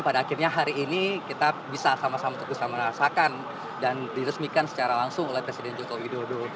pada akhirnya hari ini kita bisa sama sama untuk bisa merasakan dan diresmikan secara langsung oleh presiden joko widodo